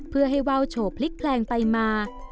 เพื่อให้ว่าวโฉพลิกแลงไปมา